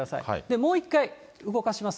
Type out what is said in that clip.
もう一回動かします。